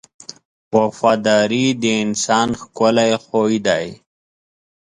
• وفاداري د انسان ښکلی خوی دی.